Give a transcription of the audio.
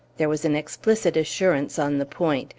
There was an explicit assurance on the point.